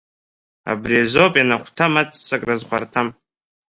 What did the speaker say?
Абри азоуп ианахәҭам аццакра зхәарҭам.